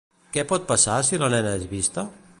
Què pot passar si la nena és vista?